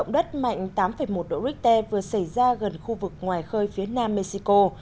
động đất mạnh tám một độ richter vừa xảy ra gần khu vực ngoài khơi phía nam mexico